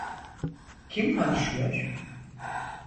Kim konuşuyor?